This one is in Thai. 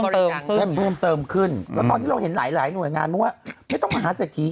เพิ่มเติมขึ้นแล้วตอนที่เราเห็นหลายหน่วยงานว่าไม่ต้องมหาเศรษฐี